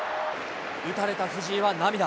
打たれた藤井は涙。